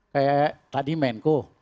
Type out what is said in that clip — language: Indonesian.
kayak tadi menko